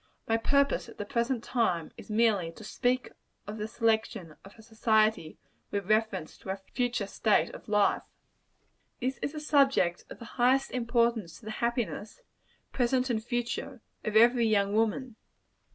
My purpose at the present time, is merely to speak of the selection of her society with reference to her future state of life. This is a subject of the highest importance to the happiness present and future of every young woman.